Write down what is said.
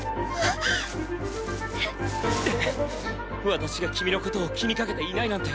私が君のことを気にかけていないなんて